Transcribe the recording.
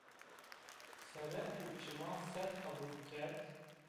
Sere û çiman ser qebul kerd